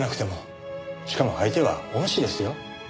しかも相手は恩師ですよ。